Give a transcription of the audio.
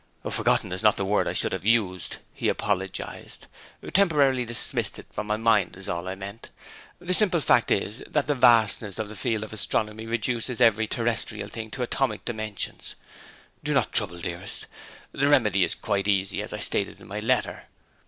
'Forgotten is not the word I should have used,' he apologized. 'Temporarily dismissed it from my mind, is all I meant. The simple fact is, that the vastness of the field of astronomy reduces every terrestrial thing to atomic dimensions. Do not trouble, dearest. The remedy is quite easy, as I stated in my letter.